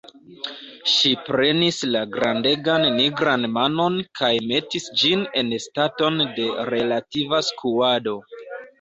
Ŝi prenis la grandegan nigran manon kaj metis ĝin en staton de relativa skuado.